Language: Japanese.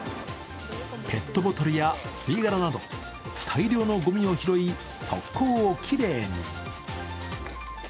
ペットボトルや吸い殻など、大量のごみを拾い、側溝をきれいに。